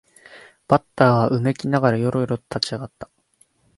バッターはうめきながらよろよろと立ち上がった